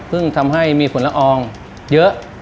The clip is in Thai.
ซึ่งทำให้มีฝุ่นละอองเยอะ